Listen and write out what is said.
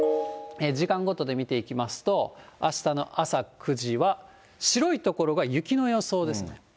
時間ごとで見ていきますと、あしたの朝９時は、白い所が雪の予想ですね。